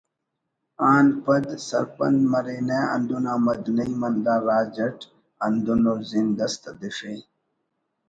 آن پد سرپند مرینہ ہندن احمد نعیم ہندا راج اٹ ہندن ءُ زند اس تدیفے